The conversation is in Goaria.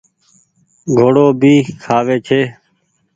گھوڙو ڀي کآوي ڇي۔